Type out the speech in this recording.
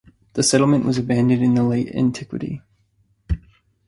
The settlement was abandoned in the Late antiquity.